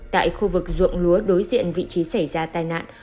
tại khu vực ruộng lúa đối diện vị trí xảy ra tai nạn